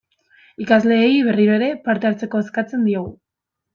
Ikasleei, berriro ere, parte hartzeko eskatzen diegu.